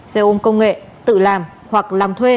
xe ôm công nghệ tự làm hoặc làm thuê